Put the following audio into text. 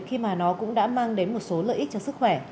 khi mà nó cũng đã mang đến một số lợi ích cho sức khỏe